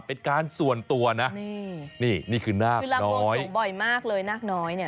เป็นการส่วนตัวนะนี่นี่คือนาคคือลำบวงสวงบ่อยมากเลยนาคน้อยเนี่ย